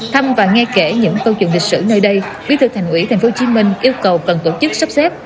thăm và nghe kể những câu chuyện lịch sử nơi đây bí thư thành ủy tp hcm yêu cầu cần tổ chức sắp xếp